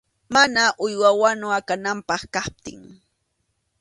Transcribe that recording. Mana uywa wanu akananpaq kaptin.